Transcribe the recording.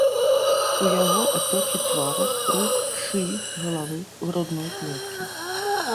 У яго апёкі твару, рук, шыі, галавы, грудной клеткі.